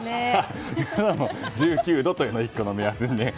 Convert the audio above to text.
１９度というのが１個の目安です。